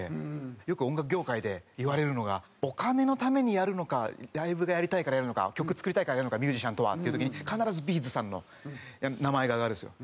よく音楽業界でいわれるのがお金のためにやるのかライブがやりたいからやるのか曲作りたいからやるのかミュージシャンとはっていう時に必ずＢ’ｚさんの名前が挙がるんですよ。